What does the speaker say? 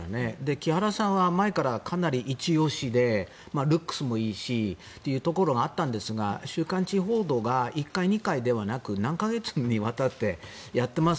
木原さんは前からかなり一押しでルックスもいいしというところがあったんですが週刊誌報道が１回、２回ではなく何か月にわたってやってます。